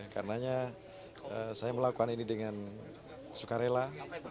karenanya saya melakukan ini dengan sukarela